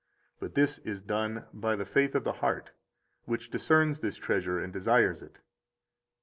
But this is done by the faith of the heart, which discerns this treasure and desires it.